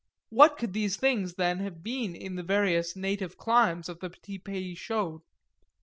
What could these things then have been in the various native climes of the petits pays chauds?